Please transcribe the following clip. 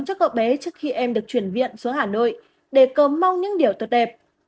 cho cậu bé trước khi em được chuyển viện xuống hà nội để cờ mong những điều tốt đẹp